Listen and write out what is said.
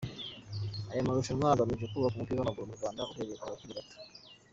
Aya marushanwa agamije kubaka umupira w'amaguru mu Rwanda uhereye mu bakiri bato.